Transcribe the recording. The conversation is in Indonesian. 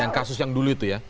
dengan kasus yang dulu itu ya